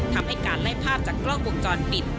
ทำให้การไล่ภาพจากกล้องวงจรปิด